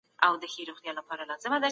د نبي کریم په لاره روان سئ.